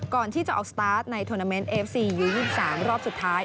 ก่อนที่จะออกสตาร์ทในทวนาเมนต์เอฟซียู๒๓รอบสุดท้าย